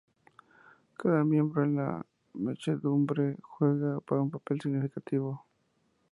Cada miembro en la muchedumbre juega un papel significativo.